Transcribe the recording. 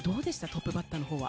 トップバッターの方は。